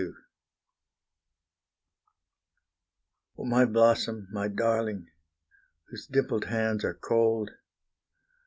Oh, my blossom, my darling, whose dimpled hands are cold!